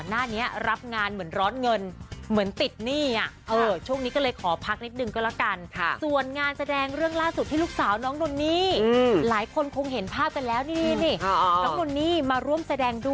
เตรียมพักงานละครแล้วนะเถ้า